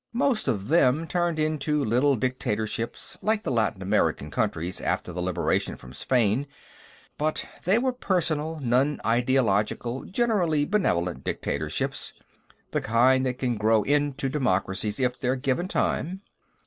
Most of them turned into little dictatorships, like the Latin American countries after the liberation from Spain, but they were personal, non ideological, generally benevolent, dictatorships, the kind that can grow into democracies, if they're given time."